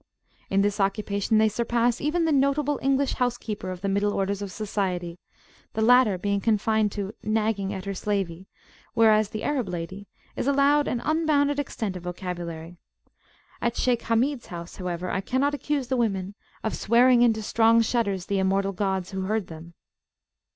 In this occupation they surpass even the notable English housekeeper of the middle orders of societythe latter being confined to knagging at her slavey, whereas the Arab lady is allowed an unbounded extent of vocabulary. At Shaykh Hamids house, however, I cannot accuse the women of Swearing into strong shudders The immortal gods who heard them.